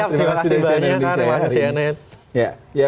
terima kasih banyak terima kasih anand